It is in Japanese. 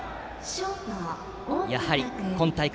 やはり今大会